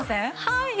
はい。